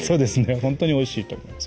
ほんとにおいしいと思います